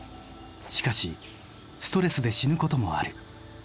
しかしストレスで死ぬこともある。